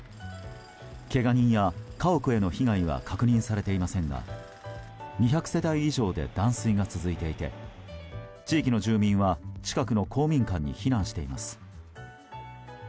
けが人や家屋への被害は確認されていませんが２００世帯以上で断水が続いていて地域の住民は近くの公民館に避難しています。